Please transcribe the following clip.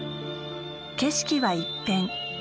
景色は一変。